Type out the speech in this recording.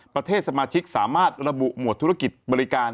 ประเทศสมาชิกสามารถระบุหมวดธุรกิจบริการ